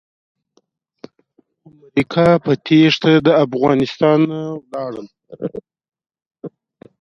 وایي تربور چي ښه وي نو ښه دی